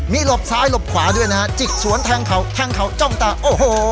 มีหลบซ้ายหลบขวาด้วยนะฮะจิกสวนแทงเขาแทงเขาจ้องตาโอ้โห